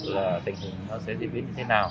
là tình huống nó sẽ diễn biến như thế nào